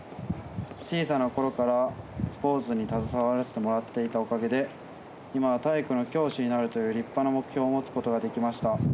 小さなころからスポーツに携わらせてもらっていたおかげで今は体育の教師になるという立派な目標を持つ事ができました。